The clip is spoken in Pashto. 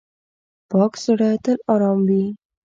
پاک زړه تل آرام وي.